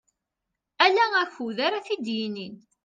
Ala akud ara t-id-yinin.